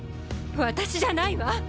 私じゃないわ。